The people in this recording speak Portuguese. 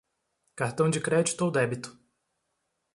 Cartão de crédito ou débito